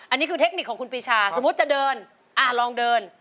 อันนี้คือเทคนิคของคุณปีชาสมมุติจะเดินลองเดิน